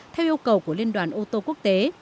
theo yêu cầu của liên đoàn ô tô quốc tế